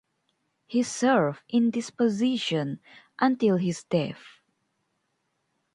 He served in this position until his death.